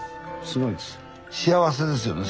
すごいんです。ね！